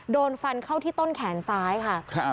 โดนฟันเข้าที่ต้นแขนซ้ายค่ะ